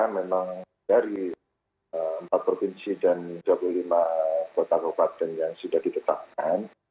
memang dari empat provinsi dan dua puluh lima kota kabupaten yang sudah ditetapkan